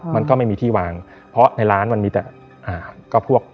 มันก็ไม่มีที่วางเพราะในร้านมันมีแต่